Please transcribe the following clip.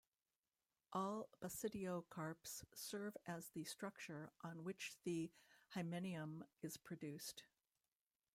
All basidiocarps serve as the structure on which the hymenium is produced.